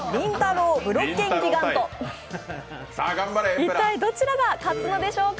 一体どちらが勝つのでしょうか？